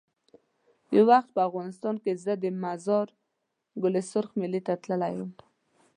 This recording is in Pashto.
یو وخت په افغانستان کې زه د مزار ګل سرخ میلې ته تللی وم.